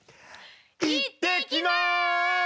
行ってきます！